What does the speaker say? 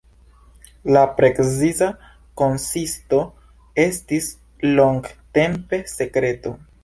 La preciza konsisto estis longtempe sekreto.